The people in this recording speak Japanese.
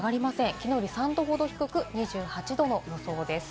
きのうより３度ほど低く、２８度の予想です。